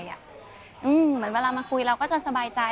เหมือนเวลามาคุยเราก็จะสบายใจ